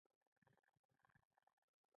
ریښتینی دوست ستا ښه صفتونه په نه شتون کې کوي.